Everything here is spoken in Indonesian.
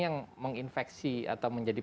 yang menginfeksi atau menjadi